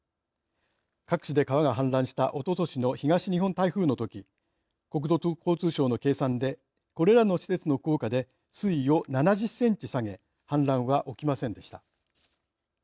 各地で川が氾濫したおととしの東日本台風のとき国土交通省の計算でこれらの施設の効果で水位を７０センチ下げ氾濫は起きませんでした。